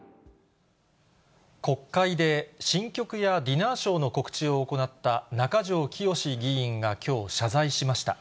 国会で新曲やディナーショーの告知を行った中条きよし議員がきょう、謝罪しました。